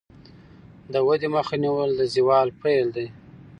د ودې مخه نیول د زوال پیل دی.